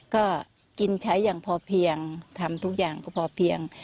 ก็กินใช้อย่างพอเพียงทำทุกอย่างก็พอเพียง